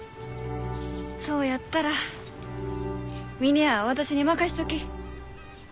そうやったら峰屋は私に任しちょき。